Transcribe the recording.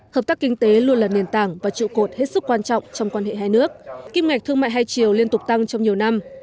hợp tác kinh tế luôn là nền tảng và trụ cột hết sức quan trọng trong quan hệ hai nước kim ngạch thương mại hai chiều liên tục tăng trong nhiều năm